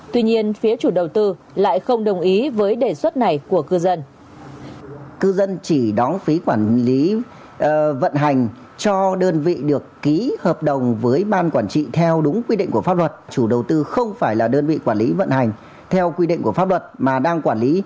tuy nhiên phía chủ đầu tư lại không đồng ý với đề xuất này của cư dân